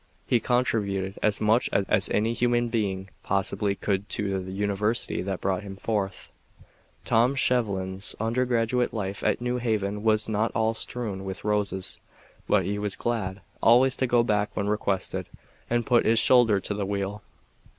He contributed as much as any human being possibly could to the university that brought him forth. Tom Shevlin's undergraduate life at New Haven was not all strewn with roses, but he was glad always to go back when requested and put his shoulder to the wheel.